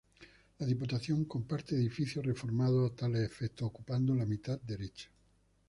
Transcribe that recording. La Diputación comparte edificio reformado a tales efectos, ocupando la mitad derecha.